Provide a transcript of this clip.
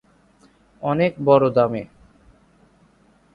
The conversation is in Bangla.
অনেক বড় দামে।।